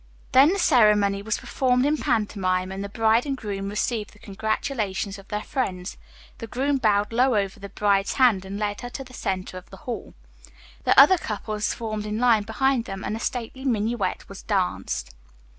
Then the ceremony was performed in pantomime and the bride and groom received the congratulations of their friends. The groom bowed low over the bride's hand and led her to the center of the hall. The other couples formed in line behind them and a stately minuet was danced.